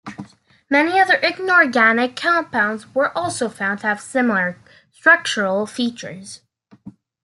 Many other inorganic compounds were also found to have similar structural features.